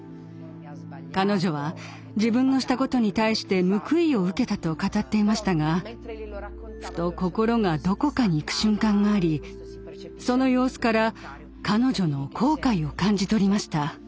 彼女は「自分のしたことに対して報いを受けた」と語っていましたがふと心がどこかにいく瞬間がありその様子から彼女の後悔を感じ取りました。